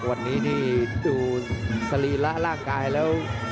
วันนี้นี่ดูสรีระร่างกายแล้ว